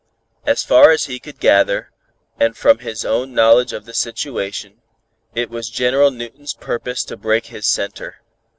As far as he could gather, and from his own knowledge of the situation, it was General Newton's purpose to break his center.